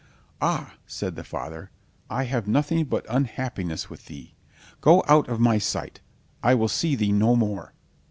"Ah," said the father, "I have nothing but unhappiness with thee. Go out of my sight. I will see thee no more."